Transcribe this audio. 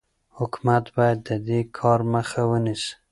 حکومت باید د دې کار مخه ونیسي.